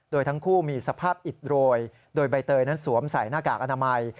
โดยทั้งคู่มีสภาพอิดโรยโดยใบเตยนั้นสวมใส่หน้ากากอนามัย